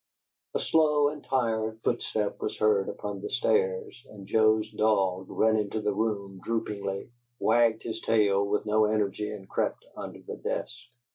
A slow and tired footstep was heard upon the stairs, and Joe's dog ran into the room droopingly, wagged his tail with no energy, and crept under the desk.